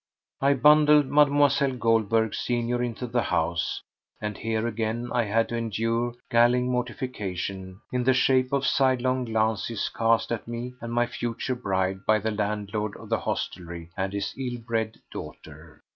I bundled Mlle. Goldberg senior into the house, and here again I had to endure galling mortification in the shape of sidelong glances cast at me and my future bride by the landlord of the hostelry and his ill bred daughter.